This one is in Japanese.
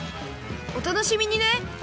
おたのしみにね！